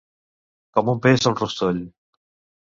Com un peix al rostoll.